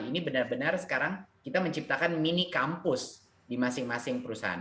ini benar benar sekarang kita menciptakan mini kampus di masing masing perusahaan